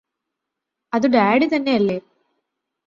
അതു ഡാഡി തന്നെയല്ലേ